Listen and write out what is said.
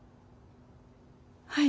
はい。